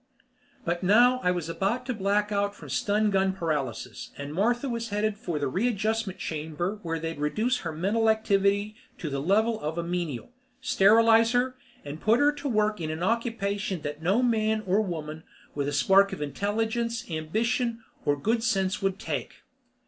But now I was about to black out from stun gun paralysis, and Martha was headed for the readjustment chamber where they'd reduce her mental activity to the level of a menial, sterilize her, and put her to work in an occupation that no man or woman with a spark of intelligence, ambition, or good sense would take.